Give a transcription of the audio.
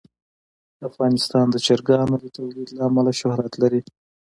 افغانستان د چرګانو د تولید له امله شهرت لري.